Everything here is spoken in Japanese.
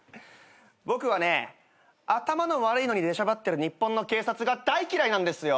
僕はね頭の悪いのに出しゃばってる日本の警察が大嫌いなんですよ。